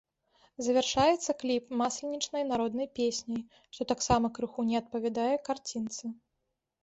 Завяршаецца кліп масленічнай народнай песняй, што таксама крыху не адпавядае карцінцы.